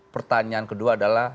pertanyaan kedua adalah